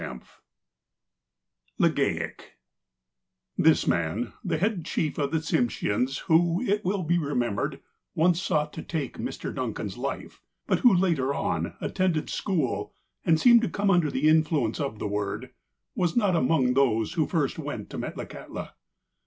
XXI LEGAIC THIS man, the head chief of the Tsimsheans, who, it will be remembered, once sought to take Mr. Duncan's life, but who, later on, at tended school, and seemed to come under the influence of the Word, was not among those who first went to Metlakahtla.